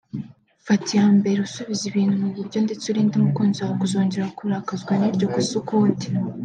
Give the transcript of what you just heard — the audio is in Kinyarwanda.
Fata iya mbere usubize ibintu umu buryo ndetse urinde umukunzi wawe kuzongera kurakazwa n’iryo kosa ukundi